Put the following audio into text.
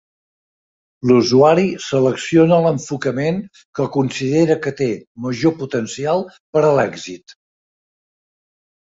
L'usuari selecciona l'enfocament que considera que té major potencial per a l'èxit.